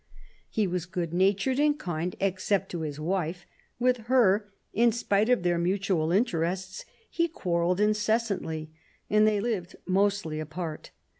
He was good natured and kind, except to his wife; with her, in spite of their mutual interests, he quarrelled incessantly, and they lived mostly apart.